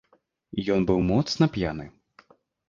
Ён быў моцна п'яны.